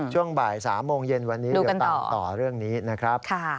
ช่วงบ่าย๓โมงเย็นวันนี้เดี๋ยวตามต่อเรื่องนี้นะครับ